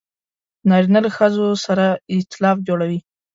نارینه له ښځو سره ایتلاف جوړوي.